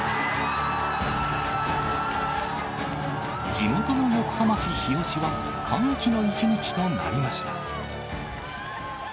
地元の横浜市日吉は、歓喜の一日となりました。